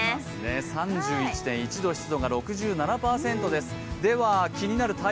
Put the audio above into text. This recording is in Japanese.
３１．１度、湿度が６７％です。